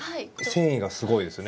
繊維がすごいですね。